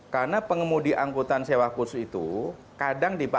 karena pengemudi angkutan sewa khusus itu kadang dipakai